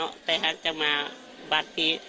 แต่ถ้าหารายอยากมาพี่